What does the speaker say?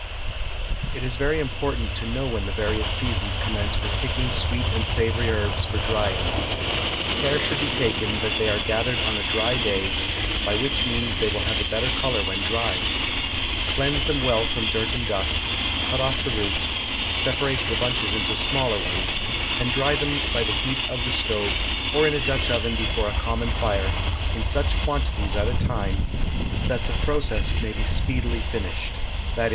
It is very important to know when the various seasons commence for picking sweet and savory herbs for drying. Care should be taken that they are gathered on a dry day, by which means they will have a better color when dried. Cleanse them well from dirt and dust, cut off the roots, separate the bunches into smaller ones, and dry them by the heat of the stove, or in a Dutch oven before a common fire, in such quantities at a time, that the process may be speedily finished, _i. e.